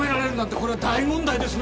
これは大問題ですね！